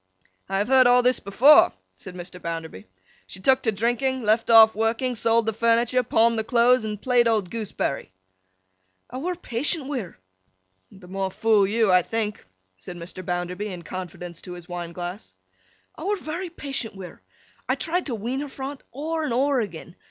'I have heard all this before,' said Mr. Bounderby. 'She took to drinking, left off working, sold the furniture, pawned the clothes, and played old Gooseberry.' 'I were patient wi' her.' ('The more fool you, I think,' said Mr. Bounderby, in confidence to his wine glass.) 'I were very patient wi' her. I tried to wean her fra 't ower and ower agen.